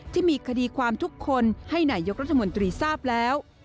ที่มีคดีความทุกคนให้นายกรัฐมนตรีทราบแล้ว